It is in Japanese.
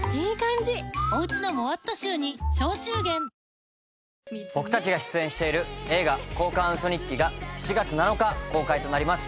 新しくなった僕たちが出演している映画『交換ウソ日記』が７月７日公開となります。